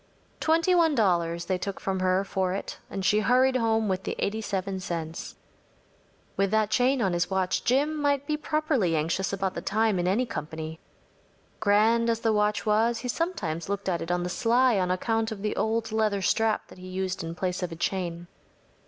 Twenty one dollars they took from her for it, and she hurried home with the 87 cents. With that chain on his watch Jim might be properly anxious about the time in any company. Grand as the watch was, he sometimes looked at it on the sly on account of the old leather strap that he used in place of a chain.